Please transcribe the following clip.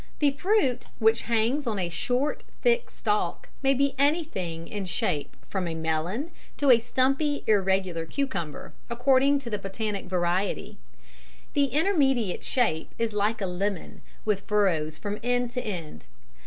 _ The fruit, which hangs on a short thick stalk, may be anything in shape from a melon to a stumpy, irregular cucumber, according to the botanic variety. The intermediate shape is like a lemon, with furrows from end to end.